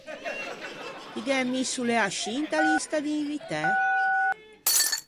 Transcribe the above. Ti gh’æ misso lê ascì inta lista di invitæ?